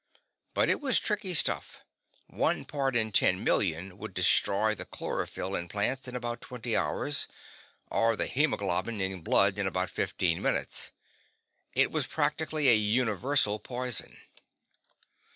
But it was tricky stuff; one part in ten million would destroy the chlorophyll in plants in about twenty hours, or the hemoglobin in blood in about fifteen minutes. It was practically a universal poison.